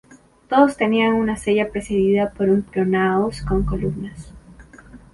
Todos tenían una cella precedida por un pronaos con columnas.